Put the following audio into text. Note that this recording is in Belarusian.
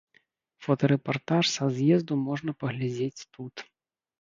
Фотарэпартаж са з'езду можна праглядзець тут.